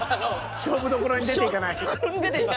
勝負どころに出ていかない。